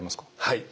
はい。